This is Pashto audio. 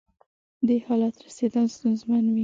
دې حالت رسېدل ستونزمن وي.